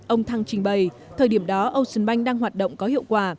ông thăng trình bày thời điểm đó ocean bank đang hoạt động có hiệu quả